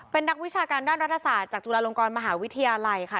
เป็นนักวิชาการด้านรัฐศาสตร์จากจุฬาลงกรมหาวิทยาลัยค่ะ